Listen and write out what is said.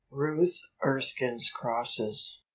" Ruth Erskine's Crosses.